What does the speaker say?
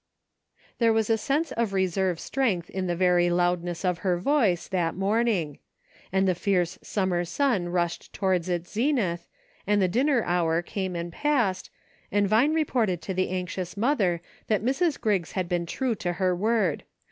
There was a sense of reserve strength in the very loudness of her voice, that morning. And the fierce summer sun rushed toward its zenith, and the dinner hour came and passed, and Vine reported to the anxious mother that Mrs. Griggs had been true to her word.